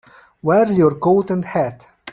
Where's your coat and hat?